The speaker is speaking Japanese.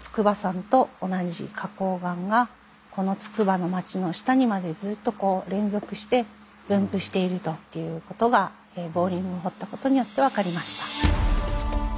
筑波山と同じ花こう岩がこのつくばの街の下にまでずっとこう連続して分布しているということがボーリング掘ったことによって分かりました。